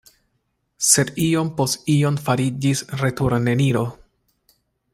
Sed iom post iom fariĝis returneniro.